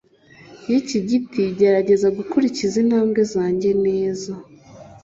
y'iki giti gerageza gukurikiza intambwe zanjye neza